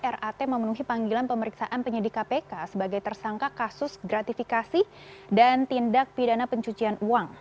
rat memenuhi panggilan pemeriksaan penyidik kpk sebagai tersangka kasus gratifikasi dan tindak pidana pencucian uang